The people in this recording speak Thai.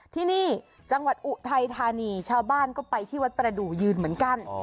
ที่นี่จังหวัดอุทัยธานีชาวบ้านก็ไปที่วัดประดูกยืนเหมือนกัน